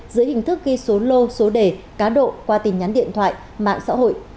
dưới hình thức ghi số lô số đề cá độ qua tin nhắn điện thoại mạng xã hội